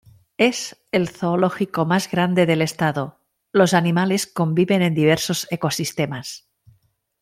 Es el zoológico más grande del estado, los animales conviven en diversos ecosistemas.